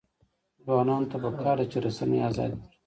ځوانانو ته پکار ده چې، رسنۍ ازادې کړي.